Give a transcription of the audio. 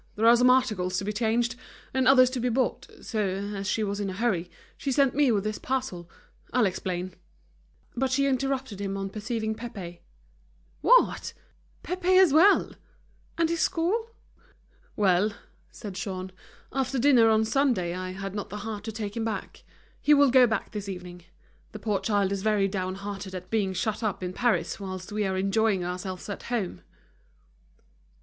There are some articles to be changed, and others to be bought. So, as she was in a hurry, she sent me with this parcel. I'll explain—" But she interrupted him on perceiving Pépé, "What; Pépé as well! and his school?" "Well," said Jean, "after dinner on Sunday I had not the heart to take him back. He will go back this evening. The poor child is very downhearted at being shut up in Paris whilst we are enjoying ourselves at home."